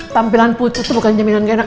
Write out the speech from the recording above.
ternyata tampilan pucet tuh bukan jaminan gak enak